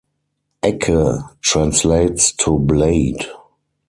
Ekke translates to "blade".